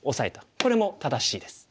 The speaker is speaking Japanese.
これも正しいです。